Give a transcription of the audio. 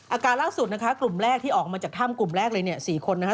อาการล่าสุดนะคะกลุ่มแรกที่ออกมาจากถ้ำกลุ่มแรกเลยเนี่ย๔คนนะคะ